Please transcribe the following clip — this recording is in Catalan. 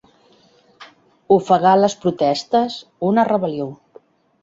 Ofegar les protestes, una rebel·lió.